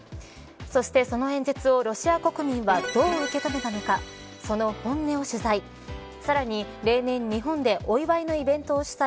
そして、その演説をロシア国民がどう受け止めたのかその本音を取材。